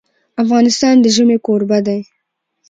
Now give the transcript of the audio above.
افغانستان د ژمی کوربه دی.